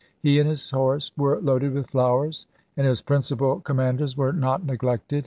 He and his horse were loaded with flowers; and his principal com manders were not neglected.